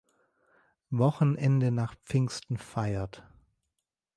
Wochenende nach Pfingsten feiert.